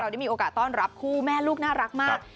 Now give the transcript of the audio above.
ได้มีโอกาสต้อนรับคู่แม่ลูกน่ารักมาก